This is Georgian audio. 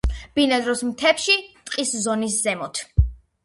ბინადრობს მთებში, ტყის ზონის ზემოთ.